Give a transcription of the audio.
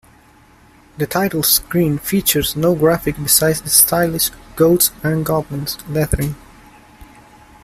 The title screen features no graphics besides the stylised "Ghosts 'n Goblins" lettering.